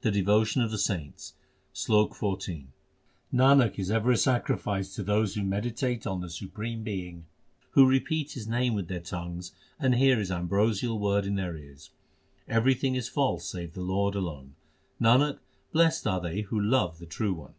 The devotion of the saints : SLOK XIV Nanak is ever a sacrifice to those who meditate on the Supreme Being, Who repeat His name with their tongues and hear His ambrosial word with their ears. Everything is false save the Lord alone : Nanak, blest are they who love the True One.